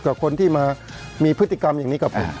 กับคนที่มามีพฤติกรรมอย่างนี้กับผม